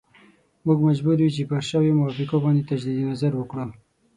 موږ مجبور یو چې پر شویو موافقو باندې تجدید نظر وکړو.